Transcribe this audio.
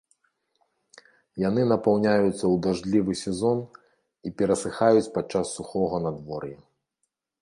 Яны напаўняюцца ў дажджлівы сезон і перасыхаюць падчас сухога надвор'я.